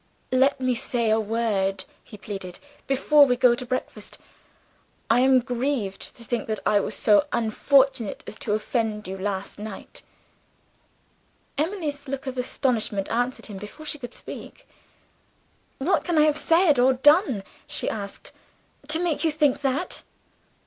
"Let me say one word," he pleaded, "before we go to breakfast. I am grieved to think that I was so unfortunate as to offend you, last night." Emily's look of astonishment answered for her before she could speak. "What can I have said or done," she asked, "to make you think that?"